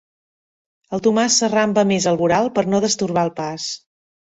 El Tomàs s'arramba més al voral per no destorbar el pas.